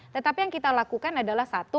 tetapi yang kita lakukan adalah satu